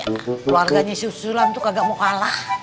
keluarganya si sulam tuh kagak mau kalah